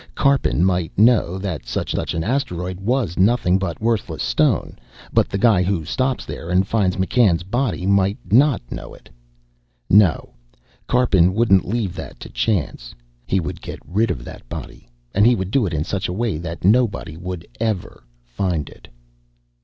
Karpin might know that such and such an asteroid was nothing but worthless stone, but the guy who stops there and finds McCann's body might not know it. No, Karpin wouldn't leave that to chance. He would get rid of that body, and he would do it in such a way that nobody would ever find it.